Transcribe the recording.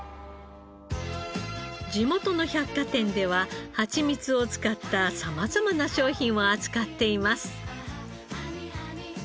地元の百貨店ではハチミツを使った様々な商品を扱っています。